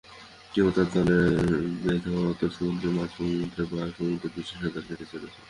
কেউ দল বেঁধে অতল সমুদ্রে, মাঝ সমুদ্রে বা সমুদ্রপৃষ্ঠে সাঁতার কেটে চলছে।